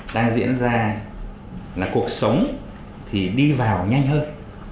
đang diễn ra là cuộc sống thì đi vào nhanh hơn